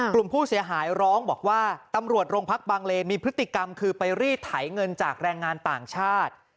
กลุ่มผู้เสียหายร้องบอกว่าตำรวจโรงพักบางเลนมีพฤติกรรมคือไปรีดไถเงินจากแรงงานต่างชาติ